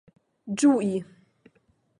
ĝui